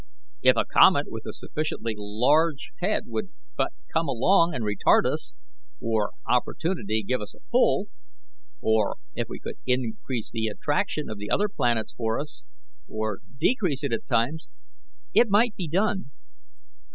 If a comet with a sufficiently large head would but come along and retard us, or opportunely give us a pull, or if we could increase the attraction of the other planets for us, or decrease it at times, it might be done.